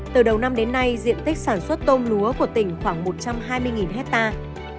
từ đầu năm đến nay diện tích sản xuất tôm lúa của tỉnh khoảng một trăm hai mươi hectare